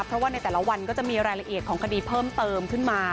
เพราะว่าในแต่ละวันก็จะมีรายละเอียดของคดีเพิ่มเติมขึ้นมา